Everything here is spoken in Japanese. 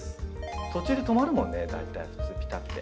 途中で止まるもんね大体普通ぴたって。